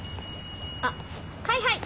☎あっはいはい。